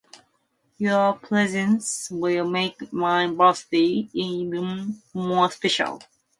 Your presence will make my birthday even more special.